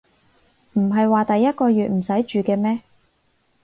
唔係話第一個月唔使住嘅咩